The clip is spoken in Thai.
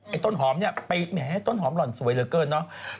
ต้นหอมเนี่ยไปแหมต้นหอมหล่อนสวยเหลือเกินเนาะ